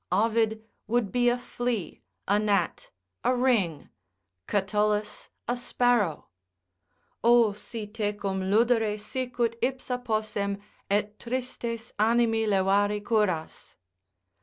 Ovid would be a flea, a gnat, a ring, Catullus a sparrow, O si tecum ludere sicut ipsa possem, Et tristes animi levare curas.